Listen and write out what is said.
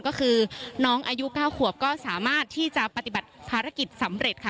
ก็คือน้องอายุ๙ขวบก็สามารถที่จะปฏิบัติภารกิจสำเร็จค่ะ